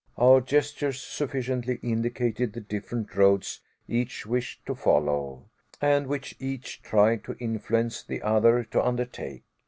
Our gestures sufficiently indicated the different roads each wished to follow and which each tried to influence the other to undertake.